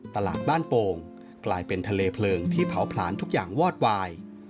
ตลาดบ้านโป่งกลายเป็นทะเลเพลิงที่เผาผลาญทุกอย่างวอดวาย